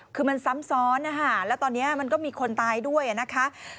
คือมันซ้ำซ้อนนะคะแล้วตอนนี้มันก็มีคนตายด้วยนะคะ